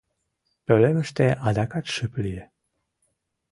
Пӧлемыште адакат шып лие.